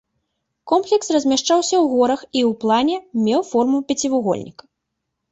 Комплекс размяшчаўся ў горах і ў плане меў форму пяцівугольніка.